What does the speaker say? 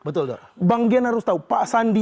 betul dor bang dia harus tau pak sandi